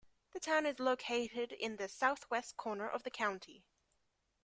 The town is located in the southwest corner of the county.